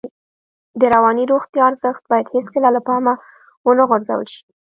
د رواني روغتیا ارزښت باید هېڅکله له پامه ونه غورځول شي.